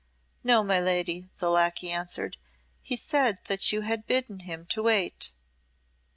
"No, my lady," the lacquey answered. "He said that you had bidden him to wait."